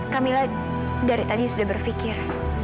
kamila dari tadi sudah berpikir